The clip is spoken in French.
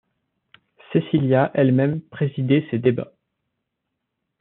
Cecilia elle-même présidait ces débats.